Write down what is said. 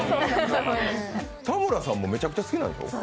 田村さんもめちゃめちゃ好きなんでしょ？